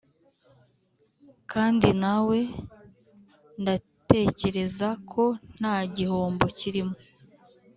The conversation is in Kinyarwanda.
kandi nawe ndatekereza ko nta gihombo kirimo